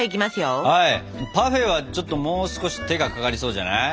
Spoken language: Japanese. パフェはちょっともう少し手がかかりそうじゃない？